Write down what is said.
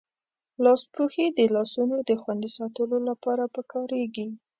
لاسپوښي د لاسونو دخوندي ساتلو لپاره پکاریږی.